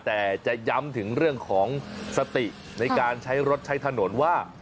แต่จะย้ำถึงเรื่องของสติในการใช้รถใช้ถนนว่า